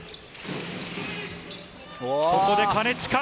ここで金近。